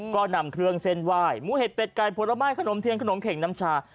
ก็นำเครื่องเส้นไหว้หมูเห็ดเป็ดไก่ผลไม้ขนมเทียนขนมเข็งน้ำชา